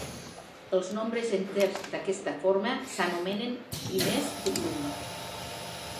Els nombres enters d'aquesta forma s'anomenen primers de Blum.